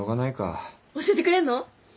教えてくれんの？